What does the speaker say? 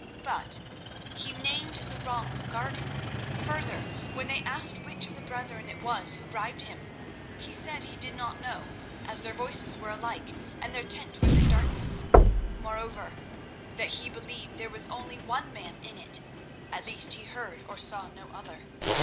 But he named the wrong garden. Further, when they asked which of the brethren it was who bribed him, he said he did not know, as their voices were alike, and their tent was in darkness; moreover, that he believed there was only one man in it—at least he heard or saw no other.